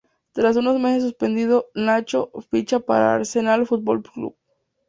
Tras unos meses suspendido, "Nacho" ficha para Arsenal Fútbol Club.